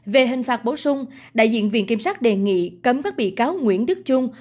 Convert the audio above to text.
về hình phạt bổ sung đại diện viện kiểm sát đề nghị cấm các bị cáo nguyễn đức trung